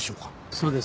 そうです。